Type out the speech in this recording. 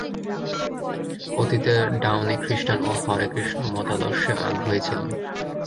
অতীতে Downey Christian ও হরে কৃষ্ণ মতাদর্শে আগ্রহী ছিলেন।